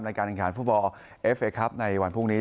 รายการการฟุตบอลเอฟเฟสครับในวันพรุ่งนี้